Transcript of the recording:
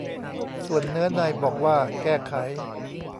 ส่วนเนื้อในบอกว่า "แก้ไข"